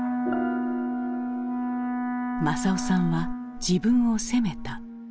政男さんは自分を責めた。